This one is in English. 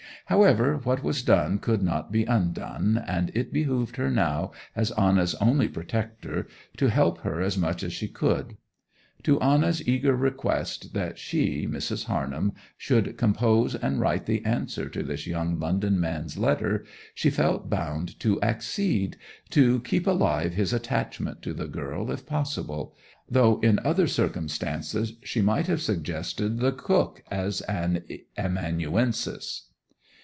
However, what was done could not be undone, and it behoved her now, as Anna's only protector, to help her as much as she could. To Anna's eager request that she, Mrs. Harnham, should compose and write the answer to this young London man's letter, she felt bound to accede, to keep alive his attachment to the girl if possible; though in other circumstances she might have suggested the cook as an amanuensis.